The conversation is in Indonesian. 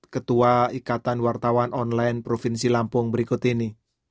ketua ikatan wartawan online provinsi lampung berikut ini